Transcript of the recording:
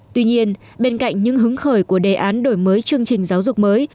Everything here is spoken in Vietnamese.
tuy nhiên bên cạnh những hứng khởi của đề án đổi mới chương trình giáo dục mới